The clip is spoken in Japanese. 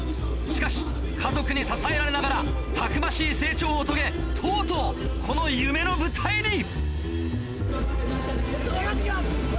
しかし家族に支えられながらたくましい成長を遂げとうとうこの夢の舞台に。